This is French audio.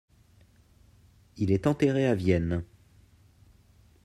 Il est enterré à Vienne.